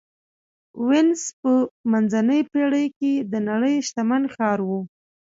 وینز په منځنۍ پېړۍ کې د نړۍ شتمن ښار و